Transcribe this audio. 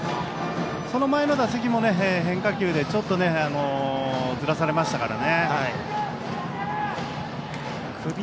その前の打席も変化球でちょっとずらされましたから。